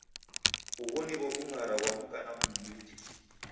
Ugho nigho w'ungara ghwa mka na mumi tiki.